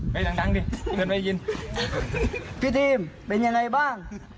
เฮ้ยดังดิเพื่อนไม่ยินพี่ทีมเป็นยังไงบ้าง